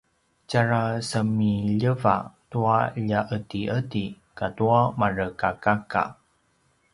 tjarasemiljeva tua lja’edi’edi katua marekakaka